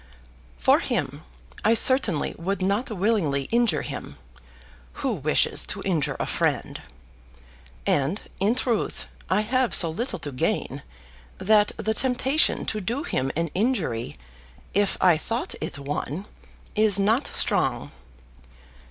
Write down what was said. "For him; I certainly would not willingly injure him. Who wishes to injure a friend? And, in truth, I have so little to gain, that the temptation to do him an injury, if I thought it one, is not strong.